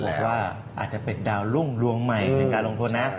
จะบอกว่าอาจจะเป็นดาวน์รุ่งลวงใหมย์ในการลงทนนะ